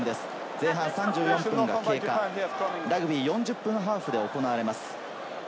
前半３４分経過、ラグビーは４０分ハーフで行われます。